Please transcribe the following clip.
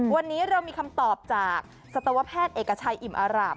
วันนี้เรามีคำตอบจากสัตวแพทย์เอกชัยอิ่มอาราบ